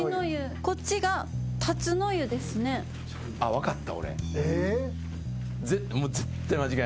分かった？